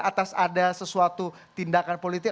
atas ada sesuatu tindakan politik